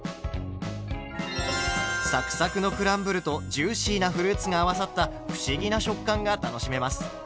サクサクのクランブルとジューシーなフルーツが合わさった不思議な食感が楽しめます。